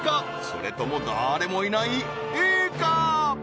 それとも誰もいないＡか？